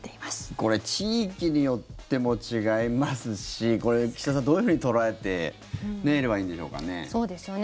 これ、地域によっても違いますし、岸田さんどういうふうに捉えていればいいんでしょうかね。